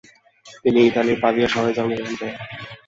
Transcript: তিনি ইতালির পাভিয়া শহরে জন্মগ্রহণ করেন।